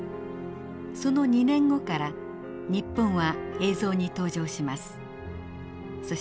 その２年後から日本は映像に登場します。